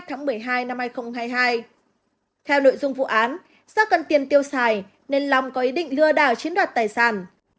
theo nội dung vụ án do cần tiền tiêu xài nên long có ý định lừa đảo chiếm đoạt tài sản